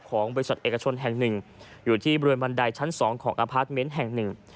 ของบริษัทเอกชนแห่งหนึ่งอยู่ที่บริเวณบันไดชั้นสองของอพาร์ทเมนต์แห่งหนึ่ง